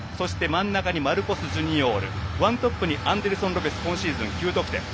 真ん中にはマルコス・ジュニオールワントップにアンデルソン・ロペス今シーズン９得点。